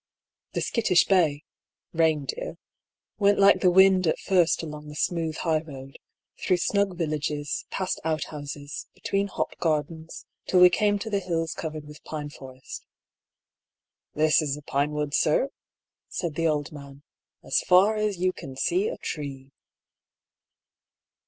The skittish bay' (Rein deer) went like the wind at first along the smooth highroad, through snug villages, past outhouses, between hop gardens, till we came to the hills covered with pine forest. " This is the Pinewood, sir," said the old man ;" as far as you can see a tree."